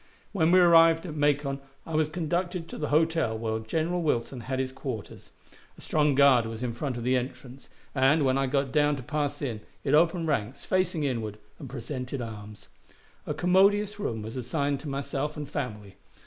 When we arrived at Macon I was conducted to the hotel where General Wilson had his quarters. A strong guard was in front of the entrance, and, when I got down to pass in, it opened ranks, facing inward, and presented arms. A commodious room was assigned to myself and family.